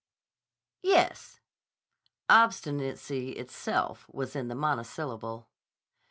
"Yes." Obstinacy itself was in the monosyllable.